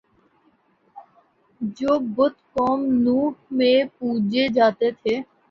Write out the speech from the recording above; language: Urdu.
جو بت قوم نوح میں پوجے جاتے تھے